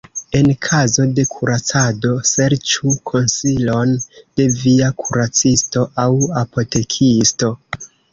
En kazo de kuracado, serĉu konsilon de via kuracisto aŭ apotekisto.